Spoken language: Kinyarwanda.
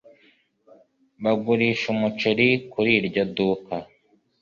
Bagurisha umuceri kuri iryo duka